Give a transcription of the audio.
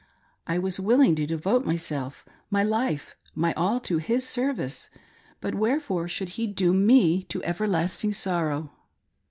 I was willing to devote myself, my life, my all to His service, but wherefore should He doom me to everlasting sorrow.